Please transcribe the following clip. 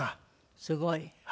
すごい。